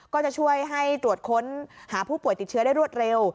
ก็จะช่วยให้ตรวจค้นหาผู้ป่วยติดเชื้อได้รวดเร็ว